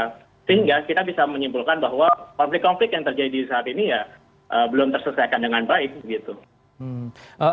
sehingga kita bisa menyimpulkan bahwa konflik konflik yang terjadi saat ini ya belum terselesaikan dengan baik gitu